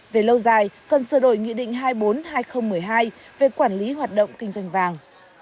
về lâu dài cần sửa đổi nghị định hai mươi bốn hai nghìn một mươi hai về quản lý hoạt động kinh doanh vàng